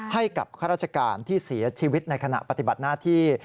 ข้าราชการที่เสียชีวิตในขณะปฏิบัติหน้าที่